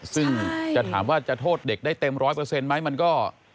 ซึ่งจะถามว่าจะโทษเด็กได้เต็มร้อยเปอร์เซ็นต์ไหมมันก็